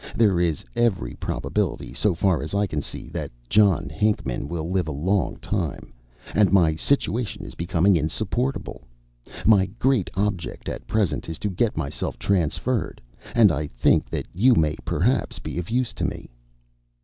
There is every probability, so far as I can see, that John Hinckman will live a long time, and my situation is becoming insupportable. My great object at present is to get myself transferred, and I think that you may, perhaps, be of use to me."